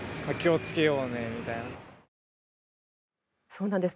そうなんです。